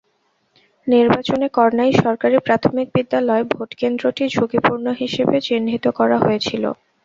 নির্বাচনে কর্ণাই সরকারি প্রাথমিক বিদ্যালয় ভোটকেন্দ্রটি ঝুঁকিপূর্ণ হিসেবে চিহ্নিত করা হয়েছিল।